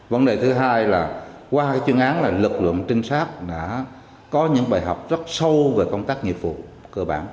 vấn đề thứ hai là qua chuyên án là lực lượng trinh sát đã có những bài học rất sâu về công tác nghiệp vụ cơ bản